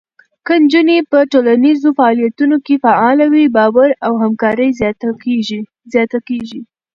که نجونې په ټولنیزو فعالیتونو کې فعاله وي، باور او همکاري زیاته کېږي.